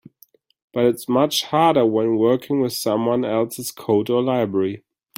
But it's much harder when working with someone else's code or library.